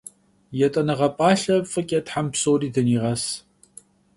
Yêt'eneğe p'alhe f'ıç'e them psori dıniğes!